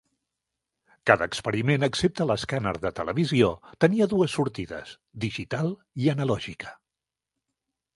Cada experiment, excepte l'escàner de televisió, tenia dues sortides, digital i analògica.